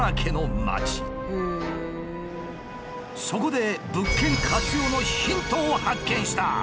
そこで物件活用のヒントを発見した！